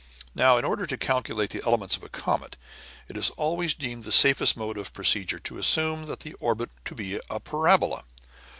Now, in order to calculate the elements of a comet, it is always deemed the safest mode of procedure to assume the orbit to be a parabola.